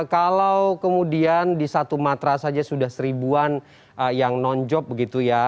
kalau kemudian di satu matra saja sudah seribuan yang non job begitu ya